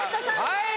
はい